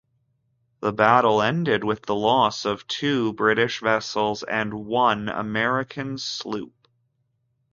The battle ended with the loss of two British vessels and one American sloop.